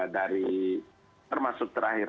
dari termasuk terakhir